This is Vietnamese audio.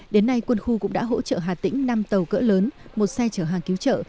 đến nay quân khu cũng đã hỗ trợ hà tĩnh năm tàu cỡ lớn một xe chở hàng cứu trợ